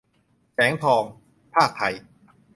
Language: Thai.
แสงทอง พากษ์ไทย